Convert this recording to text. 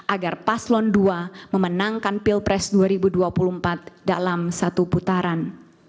agar paslon dua memenangkan pilpres dua ribu dua puluh empat dalam satu putaran